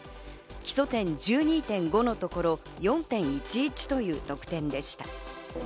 基礎点１２．５のところ４．１１という得点でした。